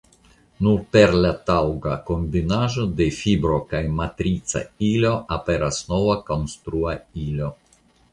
Nur per la taŭga kombinaĵo de fibro kaj matrica ilo aperas nova konstrua ilo.